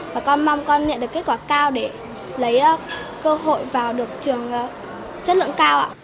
và con mong con nhận được kết quả cao để lấy cơ hội vào được trường chất lượng cao ạ